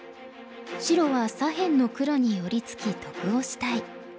白は左辺の黒に寄り付き得をしたい。